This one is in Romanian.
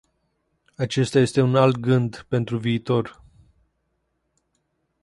Acesta este un alt gând pentru viitor.